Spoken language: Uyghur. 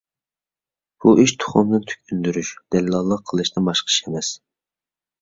بۇ ئىش تۇخۇمدىن تۈك ئۈندۈرۈش، دەللاللىق قىلىشتىن باشقا ئىش ئەمەس.